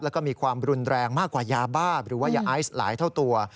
แล้วก็มีความรุนแรงมากกว่ายาบ้าหรือว่ายาไอซ์หลายเท่าตัว